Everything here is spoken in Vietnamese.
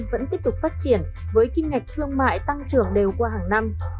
vẫn tiếp tục phát triển với kim ngạch thương mại tăng trưởng đều qua hàng năm